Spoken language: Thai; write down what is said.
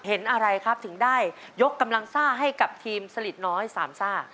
เห็นอะไรครับถึงได้ยกกำลังซ่าให้กับทีมสลิดน้อยสามซ่า